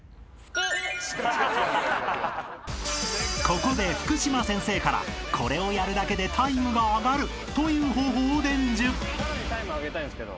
［ここで福島先生からこれをやるだけでタイムが上がるという方法を伝授！］